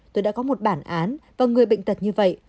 tôi đã có một bản án và người bệnh tật như vậy